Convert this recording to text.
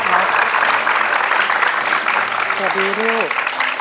สวัสดีลูก